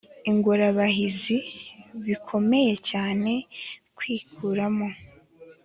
ingorabahizi: bikomeye cyane kwikuramo.